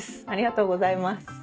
ありがとうございます。